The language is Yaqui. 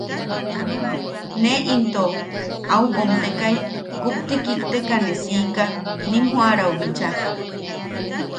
Ne into au oʼomtekai kupti kiktekai ne siika nim joʼarau bichaa.